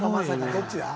どっちだ？